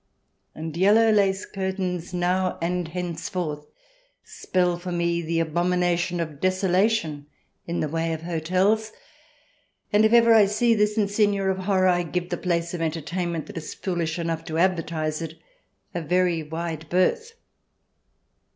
And yellow lace curtains now and henceforth spell for me the abomination of desolation in the way of hotels, and if ever I see this insignia of horror I give the place of entertainment that is foolish enough to advertise it a very wide berth.